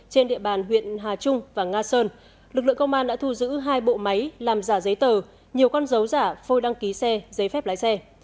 trên địa bàn huyện hà trung và nga sơn lực lượng công an đã thu giữ hai bộ máy làm giả giấy tờ nhiều con dấu giả phôi đăng ký xe giấy phép lái xe